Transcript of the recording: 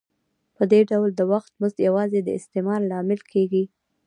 په دې ډول د وخت مزد یوازې د استثمار لامل کېږي